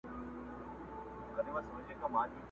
ساقي نن مه کوه د خُم د تشیدو خبري!!